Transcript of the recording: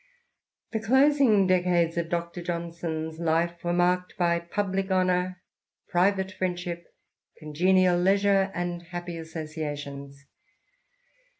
The closing decades of Dr. Johnson's life were marked by public honour, private friendship, congenial leisure, and happy associations.